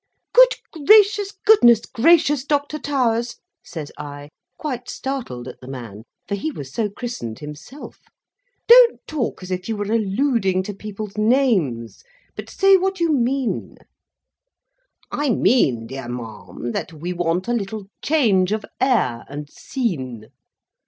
"Good gracious, goodness gracious, Doctor Towers!" says I, quite startled at the man, for he was so christened himself: "don't talk as if you were alluding to people's names; but say what you mean." "I mean, my dear ma'am, that we want a little change of air and scene."